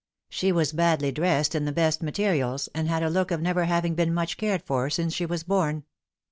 She was badly dressed in the best materials, and had a look of never having been much cared for since she was born.